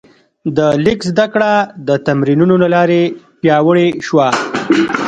د لیک زده کړه د تمرینونو له لارې پیاوړې شوه.